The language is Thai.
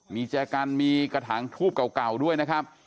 มีแจกันมีกระถางทูบเก่าด้วยนะครับ